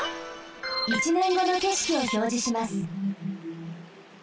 １年ごのけしきをひょうじします。